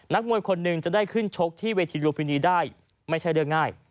มวยคนหนึ่งจะได้ขึ้นชกที่เวทีลูฟินีได้ไม่ใช่เรื่องง่าย